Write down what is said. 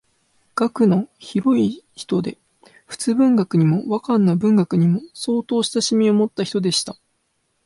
学の広い人で仏文学にも和漢の文学にも相当親しみをもった人でした